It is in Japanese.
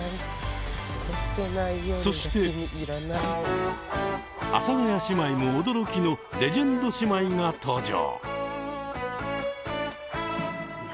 そして阿佐ヶ谷姉妹も驚きのレジェンド姉妹が登場。